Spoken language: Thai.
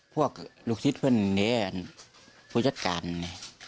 พวกลูกศิษย์เพื่อนหนึ่งเนี่ยผู้จัดการเนี่ย